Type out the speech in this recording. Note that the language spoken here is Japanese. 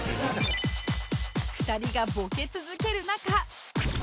２人がボケ続ける中